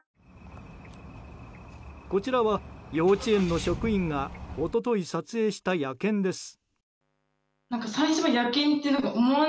こちらは幼稚園の職員が一昨日、撮影した野犬です。